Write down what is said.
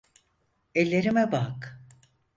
Ellerime bak.